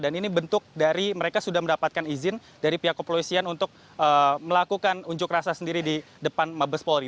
dan ini bentuk dari mereka sudah mendapatkan izin dari pihak kepolisian untuk melakukan unjuk rasa sendiri di depan mabes polri